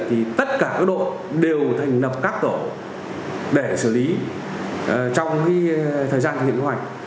thì tất cả các đội đều thành lập các tổ để xử lý trong thời gian thực hiện kế hoạch